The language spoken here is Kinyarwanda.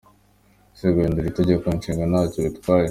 Ese guhindura Itegeko Nshinga ntacyo bitwaye?.